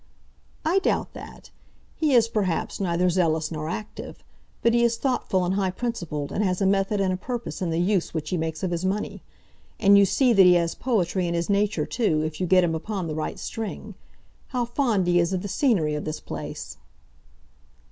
"I doubt that. He is, perhaps, neither zealous nor active. But he is thoughtful and high principled, and has a method and a purpose in the use which he makes of his money. And you see that he has poetry in his nature too, if you get him upon the right string. How fond he is of the scenery of this place!"